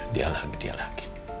dia lagi dia lagi